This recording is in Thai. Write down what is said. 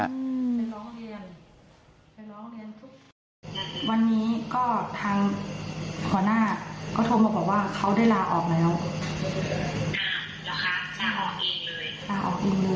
ไปร้องเรียนไปร้องเรียนทุกวันนี้ก็ทางขวาน่าก็โทรมาบอกว่าเขาได้ลาออกแล้ว